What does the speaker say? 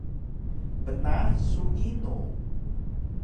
Pnaah su inu?